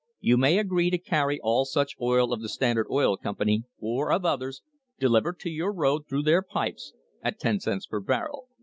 You may agree to carry all such oil of the Standard Oil Company, or of others, delivered to your road through their pipes, at ten cents per barrel.